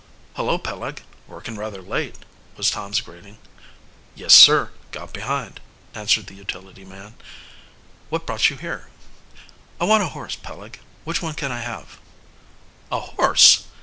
"Hullo, Peleg working rather late," was Tom's greeting. "Yes, sir got behind," answered the utility man. "What brought you here?" "I want a horse, Peleg. Which one can I have?" "A horse!